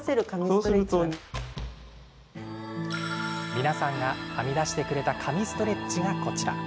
皆さんが編み出してくれた神ストレッチがこちら。